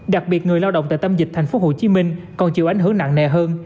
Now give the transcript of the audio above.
đặc biệt người lao động tại tâm dịch tp hcm còn chịu ảnh hưởng nặng nề hơn